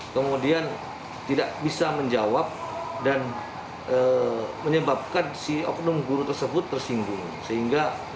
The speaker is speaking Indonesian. kemudian tidak bisa menjawab dan menyebabkan si oknum guru tersebut tersinggung